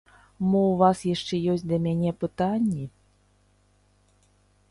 Мо ў вас яшчэ ёсць да мяне пытанні?